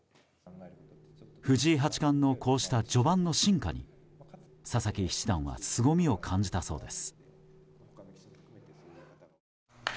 藤井八冠のこうした序盤の進化に佐々木七段はすごみを感じたそうです。